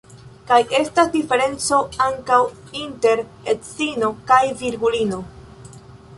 Kaj estas diferenco ankaŭ inter edzino kaj virgulino.